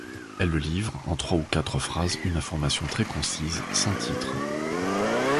Elle livre en trois ou quatre phrases une information très concise, sans titre.